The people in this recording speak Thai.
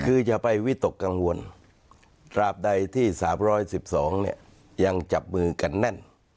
คืออย่าไปวิตกกังวลตราบใดที่๓๑๒เนี่ยยังจับมือกันแน่น